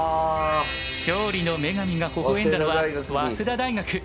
勝利の女神がほほ笑んだのは早稲田大学。